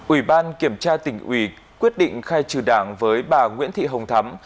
ủy ban kiểm tra tỉnh ủy quyết định khai trừ đảng với bà nguyễn thị hồng thắm